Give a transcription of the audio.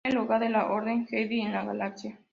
Era el hogar de la Orden Jedi en la Galaxia.